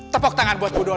tepok tangan buat bu dona